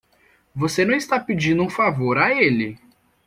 Você não está pedindo um favor a ele.